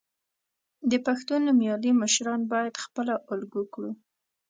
د پښتو نومیالي مشران باید خپله الګو کړو.